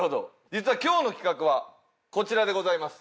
実は今日の企画はこちらでございます。